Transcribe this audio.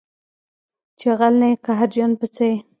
چې غل نه یې قهرجن په څه یې